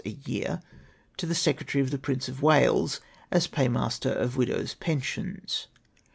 a year to tlie Secretary of the Prince of Wales, as paymaster of widows' pensions.